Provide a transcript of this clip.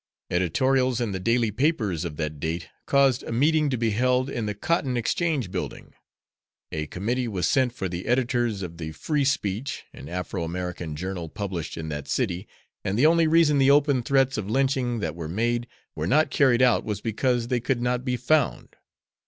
Editorials in the daily papers of that date caused a meeting to be held in the Cotton Exchange Building; a committee was sent for the editors of the Free Speech an Afro American journal published in that city, and the only reason the open threats of lynching that were made were not carried out was because they could not be found.